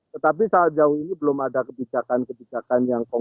tetapi saat jauh ini belum ada kebijakan kebijakan yang kompleks